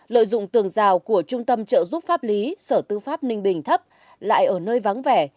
lợi dụng tường rào của trung tâm trợ giúp pháp lý sở tư pháp ninh bình thấp lại ở nơi vắng vẻ